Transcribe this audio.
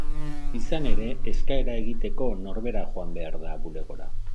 Izan ere, eskaera egiteko norbera joan behar da bulegora.